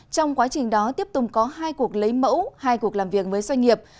trong quá trình đó tiếp tục có hai cuộc lấy mẫu hai cuộc làm việc mới doanh nghiệp